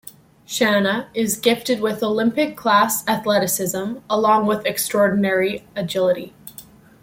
Shanna is gifted with Olympic-class athleticism along with extraordinary agility.